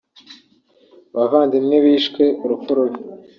Abavandimwe be bishwe urupfu rubi